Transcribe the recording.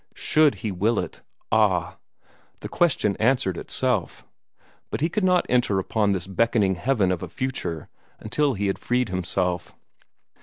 Should he will it! Ah! the question answered itself. But he could not enter upon this beckoning heaven of a future until he had freed himself.